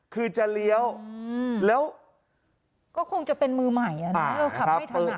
คือจะเลี้ยวแล้วก็คงจะเป็นมือใหม่นะครับขับไม่ถนัดอะไรอย่างนี้